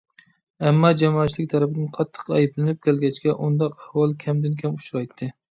ئەمما، جامائەتچىلىك تەرىپىدىن قاتتىق ئەيىبلىنىپ كەلگەچكە، ئۇنداق ئەھۋال كەمدىن كەم ئۇچرايتتى.